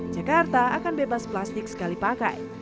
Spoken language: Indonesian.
jakarta akan bebas plastik sekali pakai